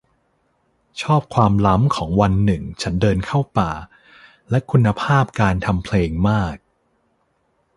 ชอบความล้ำของวันหนึ่งฉันเดินเข้าป่า และคุณภาพการทำเพลงมาก